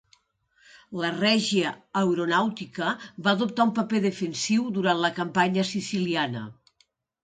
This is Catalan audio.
La Regia Aeronàutica va adoptar un paper defensiu durant la campanya siciliana.